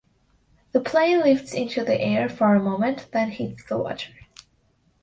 The plane lifts into the air for a moment, then hits the water.